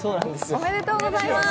おめでとうございます。